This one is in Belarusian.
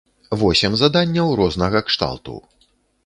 Восем заданняў рознага кшталту.